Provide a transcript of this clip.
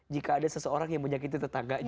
jika ada seseorang yang menyakiti tetangganya